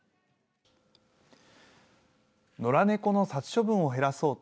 野良猫の殺処分を減らそうと